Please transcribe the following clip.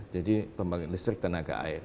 jadi pembangunan listrik tenaga air